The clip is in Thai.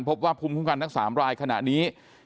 พบว่าภูมิคุ้มกันทั้ง๓รายขณะนี้